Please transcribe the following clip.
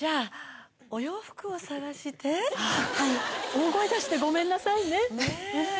大声出してごめんなさいね。ねぇ。